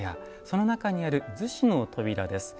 その中にある厨子の扉です。